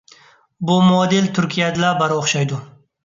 بۇ مودېل تۈركىيەدىلا بار ئوخشايدۇ.